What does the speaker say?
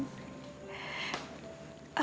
aku mau cari pekerjaan